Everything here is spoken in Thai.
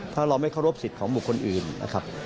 ถ้าเราไม่เคารพสิทธิ์ของบุคคลอื่นนะครับ